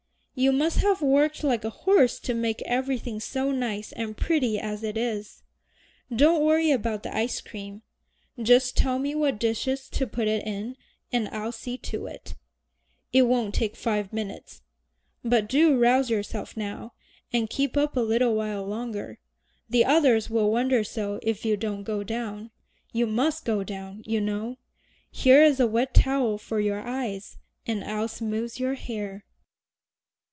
You must have worked like a horse to make everything so nice and pretty as it is. Don't worry about the ice cream. Just tell me what dishes to put it in, and I'll see to it. It won't take five minutes. But do rouse yourself now, and keep up a little while longer. The others will wonder so if you don't go down. You must go down, you know. Here is a wet towel for your eyes, and I'll smooth your hair."